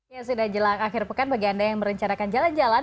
ya sudah jelang akhir pekan bagi anda yang merencanakan jalan jalan